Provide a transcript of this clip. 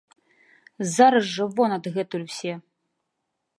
Зараз жа вон адгэтуль усе!